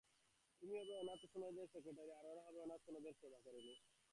তুমি হবে অনাথাসদনের সেক্রেটারি, আর ওরা হবে অনাথাসদনের সেবাকারিণী।